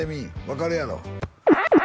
分かるやろ？